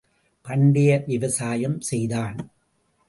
பண்டைய விவசாயம் செய்தான்.